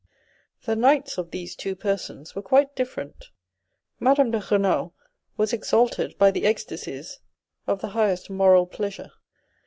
The nights of these two persons were quite different. Madame de Renal was exalted by the ecstacies of the highest moral pleasure.